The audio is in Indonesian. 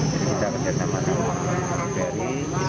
jadi kita kerjasama dengan bri